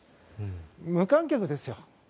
無観客ですよ。